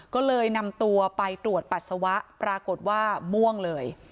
ก็เลยนำตัวไปตรวจปัสสาวะปรากฏว่าม่วงเลย